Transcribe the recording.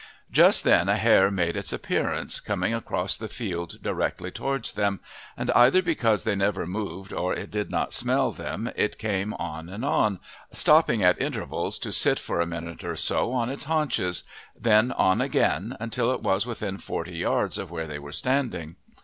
Just then a hare made its appearance, coming across the field directly towards them, and either because they never moved or it did not smell them it came on and on, stopping at intervals to sit for a minute or so on its haunches, then on again until it was within forty yards of where they were standing.